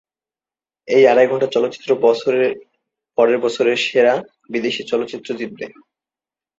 এই আড়াই ঘণ্টার চলচ্চিত্র পরের বছর সেরা বিদেশী ভাষার অস্কার জেতে।